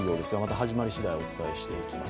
始まり次第、お伝えしていきます。